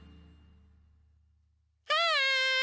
はい！